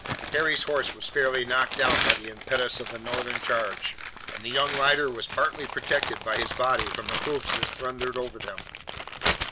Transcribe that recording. Harry's horse was fairly knocked down by the impetus of the Northern charge, and the young rider was partly protected by his body from the hoofs that thundered over them.